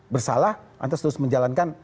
bersalah terus menjalankan